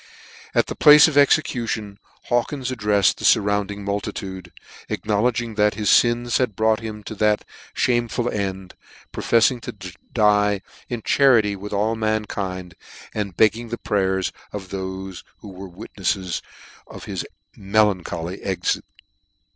At the place of execution Hawkins addrefled the furrounding multitude, acknowledging that his fins had brought him to that lhameful end, profefiing to die in charity with all mankind, and begging the prayers of thofe who were witnefles of his melancholy exit.